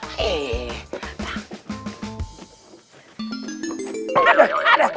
aduh aduh aduh